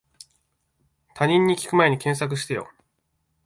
他人に聞くまえに検索してよ